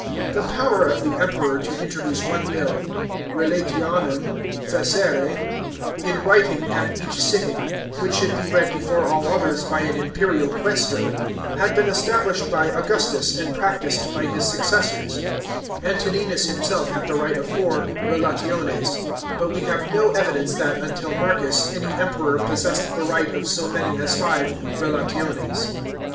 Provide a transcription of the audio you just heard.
The power of the Emperor to introduce one bill (relationem facere) in writing at each sitting, which should be read before all others by an impeiial qusestor, had been established by Augustus and practised by his successors; Antoninus himself had the r ght of four relationes ; but we have no evidence that, until Marcus, any Emperor possessed the right of so many as five relations.